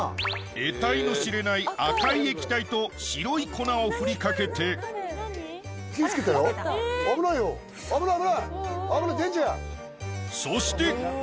えたいの知れない赤い液体と白い粉をふりかけてそして危ない危ない。